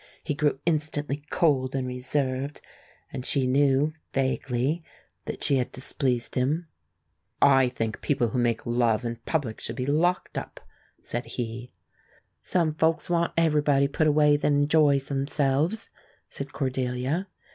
He grew instantly cold and reserved, and she knew, vaguely, that she had displeased him. "I think people who make love in public should be locked up," said he. "Some folks wants everybody put away that enjoys themselves," said Cordelia.